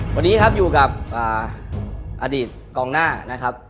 วันนี้ครับอยู่กับอดีตกองหน้านะครับ